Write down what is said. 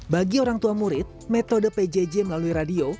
bagi orang tua murid metode pjj melalui radio